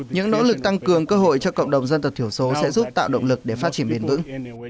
những nỗ lực tăng cường cơ hội cho cộng đồng dân tộc thiểu số sẽ giúp tạo động lực để phát triển bền vững